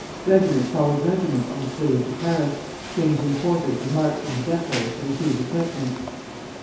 Regiment followed regiment on its way into Paris, changing quarters or marching to depots to receive equipments.